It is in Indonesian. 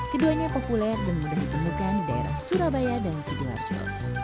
keduanya populer dan mudah ditemukan di daerah surabaya dan sidoarjo